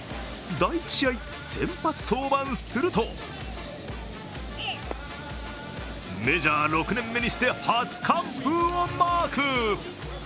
第１試合、先発登板するとメジャー６年目にして初完封をマーク。